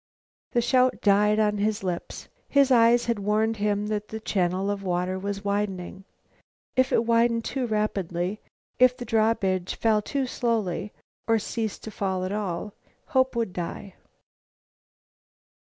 The shout died on his lips. His eyes had warned him that the channel of water was widening. If it widened too rapidly, if the drawbridge fell too slowly, or ceased to fall at all, hope would die.